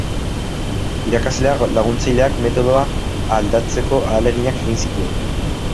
Irakasle laguntzaileak metodoa aldatzeko ahaleginak egin zituen.